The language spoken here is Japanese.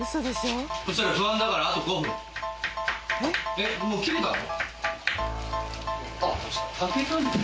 えっもう切れたの？